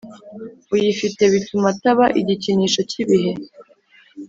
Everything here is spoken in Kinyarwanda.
uyifite bituma ataba igikinisho cy' ibihe